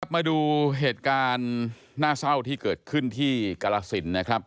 มาดูเหตุการณ์น่าเศร้าที่เกิดขึ้นที่กรสินนะครับ